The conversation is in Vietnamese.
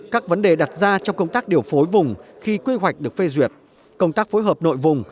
các vấn đề đặt ra trong công tác điều phối vùng khi quy hoạch được phê duyệt công tác phối hợp nội vùng